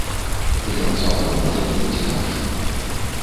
Ён цалкам можа думаць інакш.